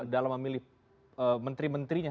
dalam memilih menteri menterinya